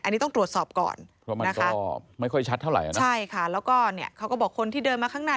อันนี้ต้องตรวจสอบก่อนเพราะมันก็ไม่ค่อยชัดเท่าไหร่นะใช่ค่ะแล้วก็เนี่ยเขาก็บอกคนที่เดินมาข้างหน้า